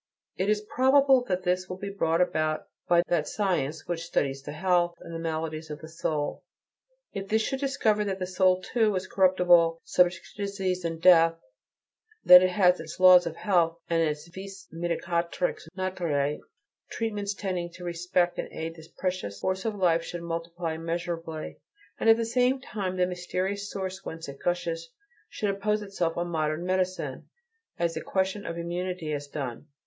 It is probable that this will be brought about by that science which studies the health and the maladies of the soul. If this should discover that the soul, too, is corruptible, subject to disease and death, that it has its laws of health and its vis medicatrix naturae, treatments tending to respect and aid this precious force of life should multiply immeasurably; and at the same time the mysterious source whence it gushes should impose itself on modern medicine, as the question of immunity has done.